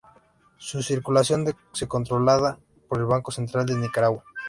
Su circulación es controlada por el Banco Central de Nicaragua.